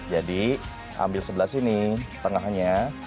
jadi ambil sebelah sini tengahnya